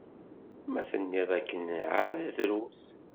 Ma tenniḍ akken ɛad drus.